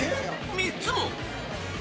３つも？